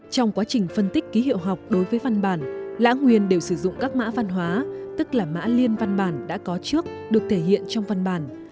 trong quá trình phân tích ký hiệu học đối với văn bản lã nguyên đều sử dụng các mã văn hóa tức là mã liên văn bản đã có trước được thể hiện trong văn bản